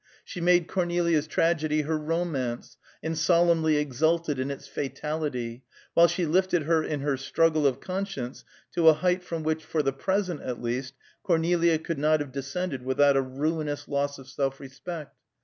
She made Cornelia's tragedy her romance, and solemnly exulted in its fatality, while she lifted her in her struggle of conscience to a height from which for the present at least, Cornelia could not have descended without a ruinous loss of self respect.